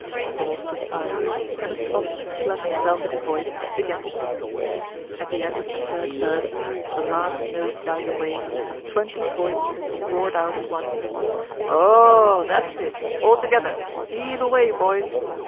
All stood silent, and a soft, pleasant velvety voice began to sing. At the end of the third verse as the last note died away, twenty voices roared out at once: "Oo oo oo oo! That's it. All together! Heave away, boys!..."